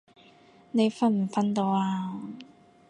你瞓唔瞓到啊？